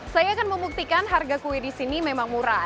saya akan membuktikan harga kue di sini memang murah